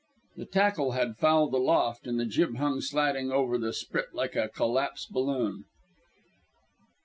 The tackle had fouled aloft and the jib hung slatting over the sprit like a collapsed balloon.